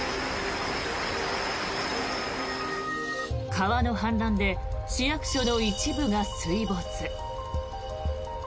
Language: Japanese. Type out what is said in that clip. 川の氾濫で市役所の一部が水没。